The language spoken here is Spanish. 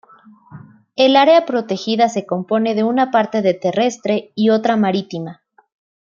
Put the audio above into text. El área protegida se compone de una parte de terrestre y otra marítima.